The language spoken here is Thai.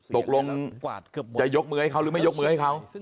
ตกลงจะยกมือให้เขาหรือไม่ยกมือให้เขา